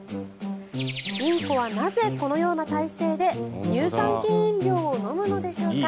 インコはなぜこのような体勢で乳酸菌飲料を飲むのでしょうか。